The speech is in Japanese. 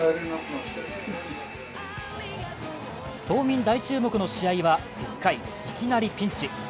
島民大注目の試合は１回、いきなりピンチ。